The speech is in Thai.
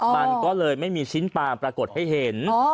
มันก็เลยไม่มีชิ้นปลาปรากฏให้เห็น